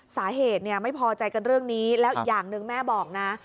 สาเหตุเนี่ยไม่พอใจกันเรื่องนี้แล้วอีกอย่างหนึ่งแม่บอกนะ